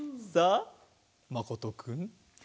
さあまことくん？